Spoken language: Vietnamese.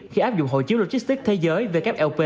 khi áp dụng hội chiếu logistics thế giới wlp